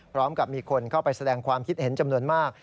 พร้อมกับมีคนเข้าไปแสดงความคิดเห็นจำนวนมาก